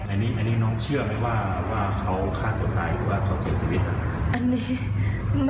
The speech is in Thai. อันนี้น้องเชื่อไหมว่าเขาฆ่าตัวตายหรือว่าเขาเสียชีวิตนะครับ